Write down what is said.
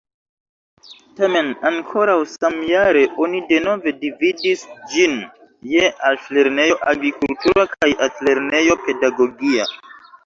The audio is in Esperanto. Tamen ankoraŭ samjare oni denove dividis ĝin je Altlernejo Agrikultura kaj Altlernejo Pedagogia.